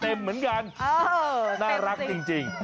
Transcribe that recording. เหมือนกันน่ารักจริง